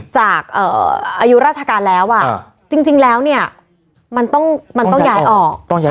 จากเอ่ออายุราชการแล้วอ่ะอ่าจริงจริงแล้วเนี้ยมันต้องมันต้องย้ายออกต้องย้ายออก